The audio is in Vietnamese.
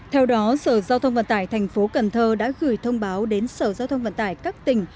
theo đó sở giao thông vận tải thành phố cần thơ đã gửi thông báo đến sở giao thông vận tải các tỉnh